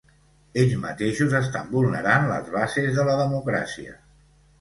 Ells mateixos estan vulnerant les bases de la democràcia.